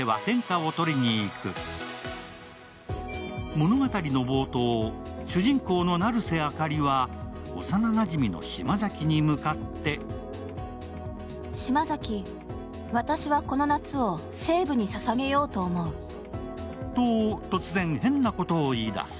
物語の冒頭、主人公の成瀬あかりは幼なじみの島崎に向かってと、突然、変なことを言い出す。